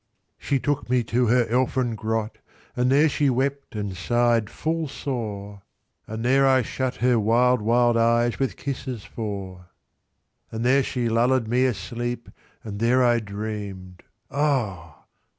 VIII.She took me to her elfin grot, And there she wept, and sigh'd fill sore, And there I shut her wild wild eyesWith kisses four. IX.And there she lulled me asleep, And there I dream'd—Ah!